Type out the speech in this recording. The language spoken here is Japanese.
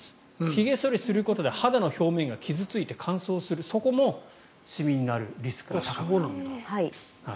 ひげ剃りすることで肌の表面が傷付いて乾燥する、そこもシミになるリスクが高くなる。